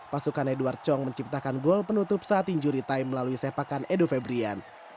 pasukan edward chong menciptakan gol penutup saat injury time melalui sepakan edo febrian